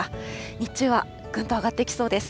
日中はぐんと上がってきそうです。